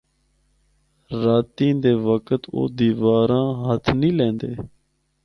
راتیں دے وقت او دیواراں ہتھ نیں لیندے۔